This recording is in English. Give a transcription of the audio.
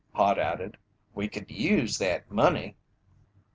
Hod added. "We could use thet money!"